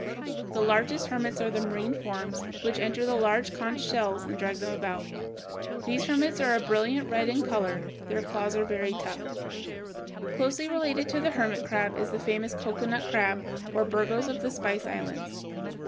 The largest hermits are the marine forms, which enter the large conch shells and drag them about. These hermits are a brilliant red in color. Their claws are very rough. Closely related to the hermit crabs is the famous cocoanut crab or Birgos of the Spice Islands.